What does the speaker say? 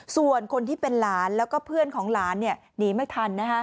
ส่วนคนที่เป็นหลานแล้วก็เพื่อนของหลานหนีไม่ทัน